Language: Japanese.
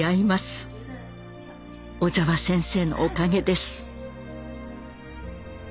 小澤先生のおかげです。